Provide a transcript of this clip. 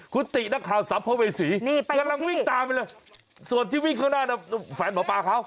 คุณตินักข่าวสัมภเวษีกำลังวิ่งตามไปเลยส่วนที่วิ่งข้างหน้าน่ะแฟนหมอปลาเขา